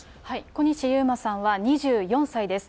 小西遊馬さんは２４歳です。